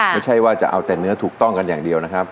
ไม่ใช่ว่าจะเอาแต่เนื้อถูกต้องกันอย่างเดียวนะครับ